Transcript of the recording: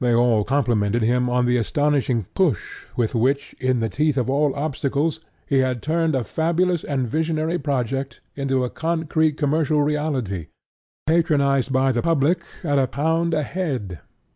They all complimented him on the astonishing "push" with which, in the teeth of all obstacles, he had turned a fabulous and visionary project into a concrete commercial reality, patronized by the public at a pound a head.